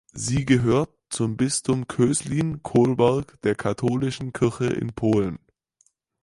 Sie gehört zum Bistum Köslin-Kolberg der Katholischen Kirche in Polen.